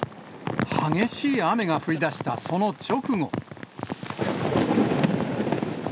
激しい雨が降りだしたその直後。